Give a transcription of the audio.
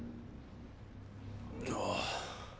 ああ。